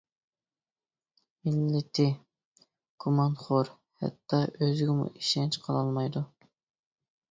ئىللىتى: گۇمانخور، ھەتتا ئۆزىگىمۇ ئىشەنچ قىلالمايدۇ.